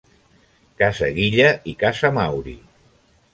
Casa Guilla i Casa Mauri.